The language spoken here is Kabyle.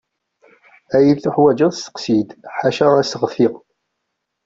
Ayen tuḥwaǧeḍ steqsi-d ḥaca aseɣti.